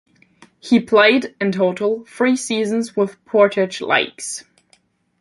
He played, in total, three seasons with Portage Lakes.